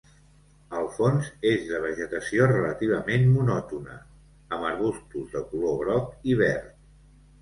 El fons és de vegetació relativament monòtona amb arbustos de color groc i verd.